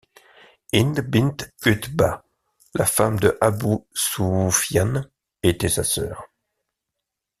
Hind bint 'Utba, la femme de Abu Sufyan, était sa sœur.